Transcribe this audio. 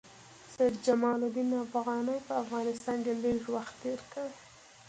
سید جمال الدین افغاني په افغانستان کې لږ وخت تېر کړی.